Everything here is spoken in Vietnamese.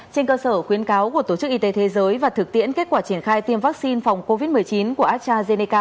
trên cơ sở khuyến cáo của tổ chức y tế thế giới và thực tiễn kết quả triển khai tiêm vaccine phòng covid một mươi chín của astrazeneca